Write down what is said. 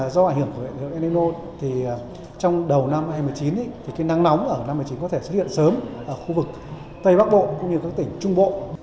do ảnh hưởng của hiện tượng enso trong đầu năm hai nghìn một mươi chín nắng nóng có thể xuất hiện sớm ở khu vực tây bắc bộ cũng như các tỉnh trung bộ